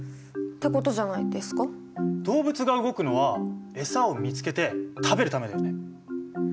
動物が動くのはエサを見つけて食べるためだよね。